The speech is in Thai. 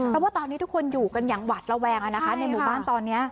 เพราะว่าตอนนี้ทุกคนอยู่กันอย่างหวัดระแวงในหมู่บ้านตอนนี้